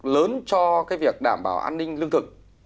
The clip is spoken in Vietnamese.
lớn cho cái việc đảm bảo an ninh lương thực